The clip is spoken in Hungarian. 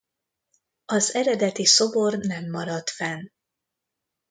Az eredeti szobor nem maradt fenn.